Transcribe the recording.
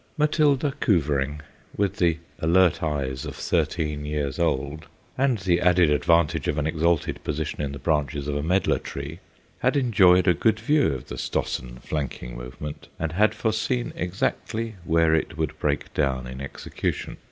Matilda Cuvering, with the alert eyes of thirteen years old and the added advantage of an exalted position in the branches of a medlar tree, had enjoyed a good view of the Stossen flanking movement and had foreseen exactly where it would break down in execution.